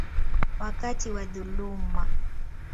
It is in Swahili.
wakati wa dhuluma.